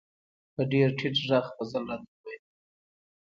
په ډیر ټیټ غږ فضل را ته و ویل: